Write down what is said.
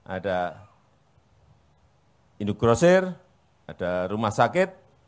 ada indogrosir ada rumah sakit